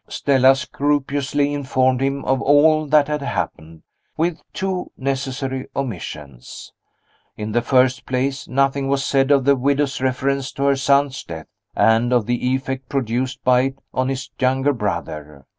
Stella scrupulously informed him of all that had happened with two necessary omissions. In the first place, nothing was said of the widow's reference to her son's death, and of the effect produced by it on his younger brother.